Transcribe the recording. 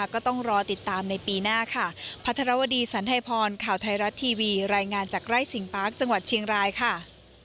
ก็ต้องรอติดตามในปีหน้าค่ะ